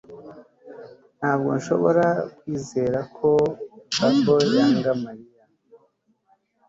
Ntabwo nshobora kwizera ko Bobo yanga Mariya